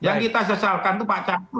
yang kita sesalkan itu pak caklo